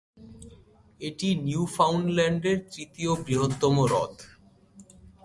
এটি নিউফাউন্ডল্যান্ডের তৃতীয় বৃহত্তম হ্রদ।